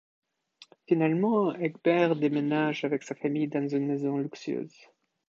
Finalement, Egbert déménage avec sa famille dans une maison luxueuse.